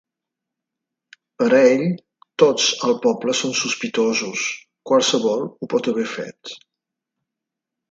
Per a ell, tots al poble són sospitosos, qualsevol ho pot haver fet.